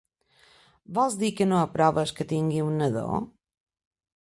Vols dir que no aproves que tingui un nadó?